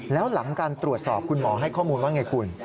แล้วหลังการตรวจสอบคุณหมอให้ข้อมูลว่าไงคุณ